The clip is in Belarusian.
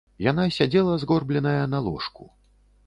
Яна сядзела згорбленая на ложку.